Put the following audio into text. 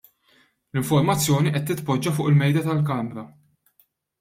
L-informazzjoni qed titpoġġa fuq il-mejda tal-kamra.